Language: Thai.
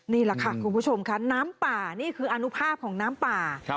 นี่แหละค่ะคุณผู้ชมค่ะน้ำป่านี่คืออนุภาพของน้ำป่า